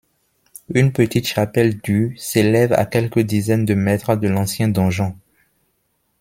Une petite chapelle du s'élève à quelques dizaines de mètres de l'ancien donjon.